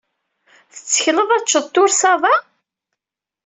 Tettekleḍ ad ččeɣ tursaḍ-a?